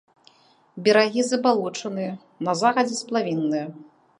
Берагі забалочаныя, на захадзе сплавінныя.